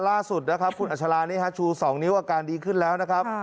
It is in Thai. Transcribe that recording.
ล่าสุดนะครับคุณอัชรานี่ฮะชู๒นิ้วอาการดีขึ้นแล้วนะครับ